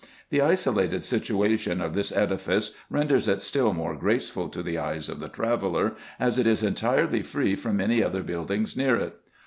The isolated situation of this edifice renders it still more gracefid to the eyes of the traveller, as it is entirely free from any other building near it.